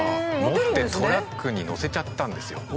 持ってトラックに載せちゃったんですよ。